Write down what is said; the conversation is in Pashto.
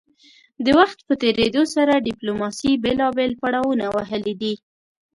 د وخت په تیریدو سره ډیپلوماسي بیلابیل پړاونه وهلي دي